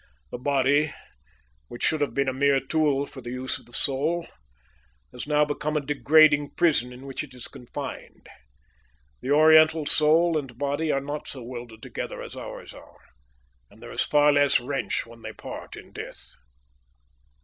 The body, which should have been a mere tool for the use of the soul, has now become a degrading prison in which it is confined. The Oriental soul and body are not so welded together as ours are, and there is far less wrench when they part in death."